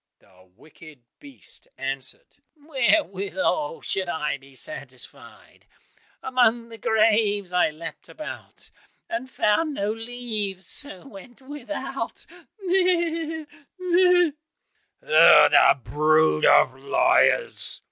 The wicked beast answered, "Wherewithal should I be satisfied? Among the graves I leapt about, And found no leaves, so went without, meh! meh!" "Oh, the brood of liars!"